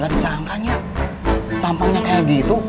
gak disangkanya tampaknya kayak gitu